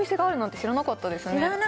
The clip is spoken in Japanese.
知らなかったですね